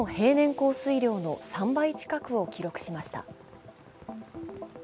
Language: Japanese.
降水量の３倍近くを更新しました。